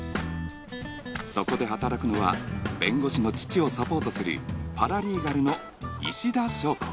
そこで働くのは弁護士の父をサポートするパラリーガルの石田硝子